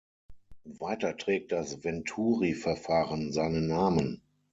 Weiter trägt das Venturi-Verfahren seinen Namen.